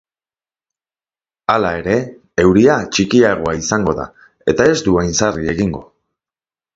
Hala ere, euria txikiagoa izango da eta ez du hain sarri egingo.